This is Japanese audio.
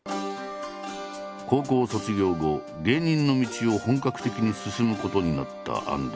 高校卒業後芸人の道を本格的に進むことになった安藤。